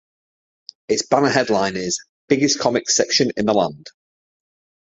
It's banner headline is "Biggest Comics Section in the Land".